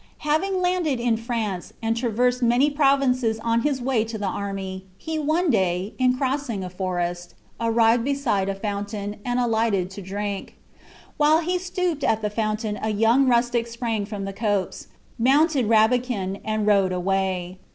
Having landed in France, and traversed many provinces on his way to the army, he one day, in crossing a forest, arrived beside a fountain, and alighted to drink. While he stooped at the fountain a young rustic sprang from the copse, mounted Rabican, and rode away.